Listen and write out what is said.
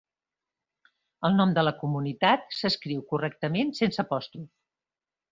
El nom de la comunitat s'escriu correctament sense apòstrof.